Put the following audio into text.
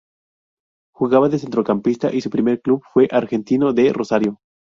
Jugaba de centrocampista y su primer club fue Argentino de Rosario.